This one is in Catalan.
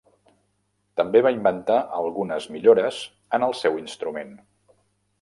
També va inventar algunes millores en el seu instrument.